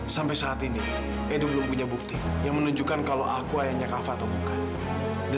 sampai jumpa di video selanjutnya